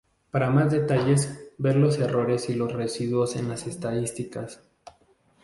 Para más detalles, ver los errores y los residuos en las estadísticas.